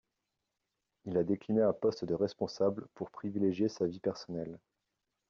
Il a décliné un poste de responsable pour privilégier sa vie personnelle.